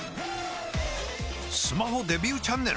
スマホデビューチャンネル！？